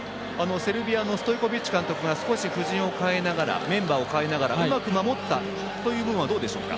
セルビアのストイコビッチ監督が布陣を変えながらメンバーを代えながらうまく守ったところはどうでしょうか？